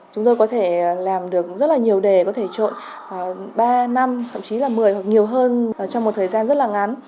chúng tôi có thể làm được rất là nhiều đề có thể trội ba năm thậm chí là một mươi hoặc nhiều hơn trong một thời gian rất là ngắn